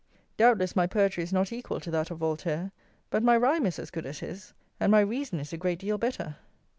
Doubtless my poetry is not equal to that of Voltaire; but my rhyme is as good as his, and my reason is a great deal better.